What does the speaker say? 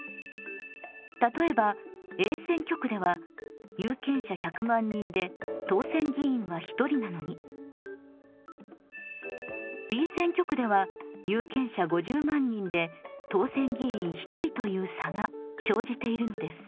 例えばＡ選挙区では有権者１００万人で当選議員は１人なのにＢ選挙区では有権者５０万人で当選議員１人という差が生じているのです。